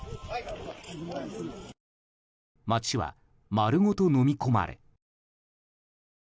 街は丸ごとのみ込まれ。